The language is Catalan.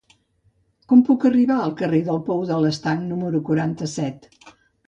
Com puc arribar al carrer del Pou de l'Estanc número quaranta-set?